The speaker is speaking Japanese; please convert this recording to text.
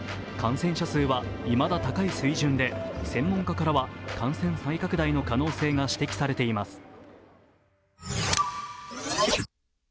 感染者数はいまだ高い水準で専門家からは感染再拡大の可能性が指摘されています。